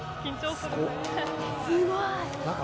すごい。